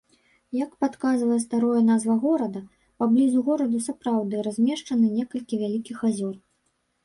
Як падказвае старое назва горада, паблізу горада сапраўды размешчаны некалькі вялікіх азёр.